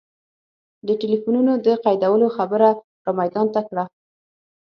د ټلفونونو د قیدولو خبره را میدان ته کړه.